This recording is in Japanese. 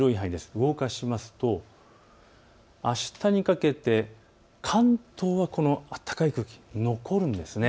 動かしますとあしたにかけて関東はこの暖かい空気残るんです。